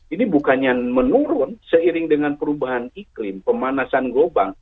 ini bukannya menurun seiring dengan perubahan iklim pemanasan global